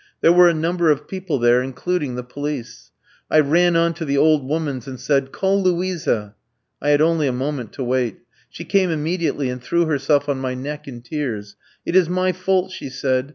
There were a number of people there, including the police. I ran on to the old woman's and said: "'Call Luisa!' "I had only a moment to wait. She came immediately, and threw herself on my neck in tears. "'It is my fault,' she said.